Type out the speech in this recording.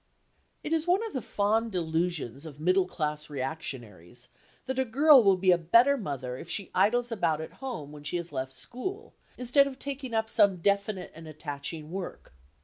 It is one of the fond delusions of middle class reactionaries that a girl will be a better mother if she idles about at home when she has left school, instead of taking up some definite and attaching work.